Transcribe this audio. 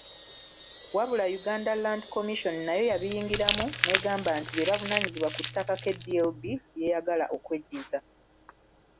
Wabula Uganda Land Commission nayo yabiyingiramu n’egamba nti bebavunanyizibwa ku ttaka KDLB lyeyagala okweddiza.